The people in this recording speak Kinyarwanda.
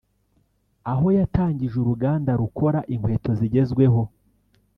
aho yatangije uruganda rukora inkweto zigezweho